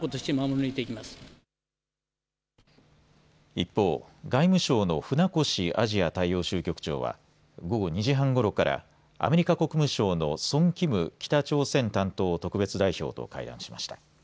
一方、外務省の船越アジア大洋州局長は午後２時半ごろからアメリカ国務省のソン・キム北朝鮮担当特別代表と会談しました。